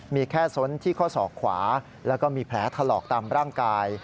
มีแค่ส้นที่ข้อศอกขวาแล้วก็มีแผลถลอกตามร่างกาย